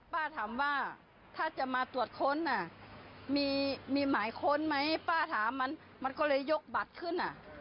ป้าถามว่าถ้าจะมาตรวจค้นมีหมายค้นไหมป้าถามมันมันก็เลยยกบัตรขึ้น